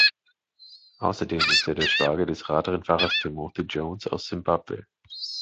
Außerdem ist er der Schwager des Radrennfahrers Timothy Jones aus Simbabwe.